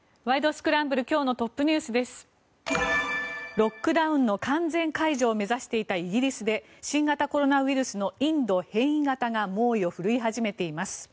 ロックダウンの完全解除を目指していたイギリスで新型コロナウイルスのインド変異型が猛威を振るい始めています。